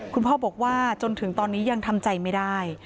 คุณพ่อบอกว่าจนถึงตอนนี้ยังทำใจไม่ได้